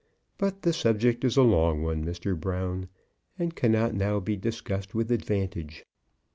But the subject is a long one, Mr. Brown, and cannot now be discussed with advantage.